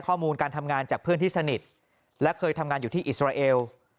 ข้อมูลการทำงานจากเพื่อนที่สนิทและเคยทำงานอยู่ที่อิสราเอล